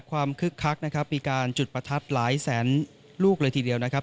วิการจุดประทับหลายแสนลูกเลยทีเดียวนะครับ